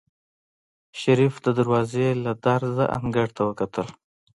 شريف د دروازې له درزه انګړ ته وکتل.